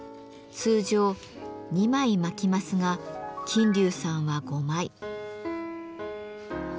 通常２枚巻きますが琴柳さんは５枚。